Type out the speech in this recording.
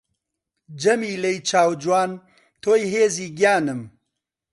جەمیلەی چاو جوان تۆی هێزی گیانم